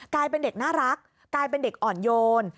กลายเป็นเด็กน่ารักกลายเป็นเด็กอ่อนโยน